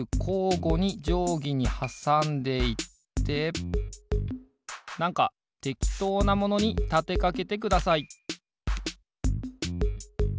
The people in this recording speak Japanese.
ごにじょうぎにはさんでいってなんかてきとうなものにたてかけてください